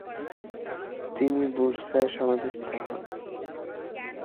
তিনি বুরসায় সমাধিস্থ হন।